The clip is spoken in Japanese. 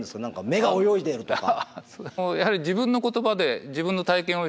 目が泳いでるとか。